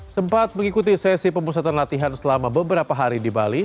sempat mengikuti sesi pemusatan latihan selama beberapa hari di bali